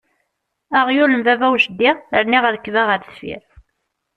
Aɣyul n baba u jeddi rniɣ rrekba ɣer deffier!